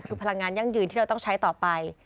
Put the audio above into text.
คือพลังงานยั่งยืนที่เราต้องใช้ต่อไป